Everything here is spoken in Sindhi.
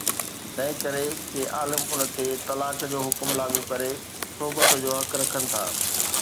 تنهن ڪري، ڪي عالم ان تي طلاق جو حڪم لاڳو ڪري صحبت جو حق رکن ٿا